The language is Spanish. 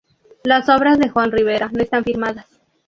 Las obras de Juan Rivera no están firmadas.